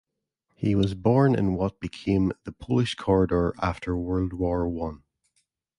He was born in what became the Polish Corridor after World War One.